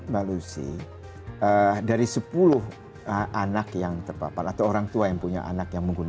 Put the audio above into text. masih banyak ya